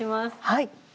はい。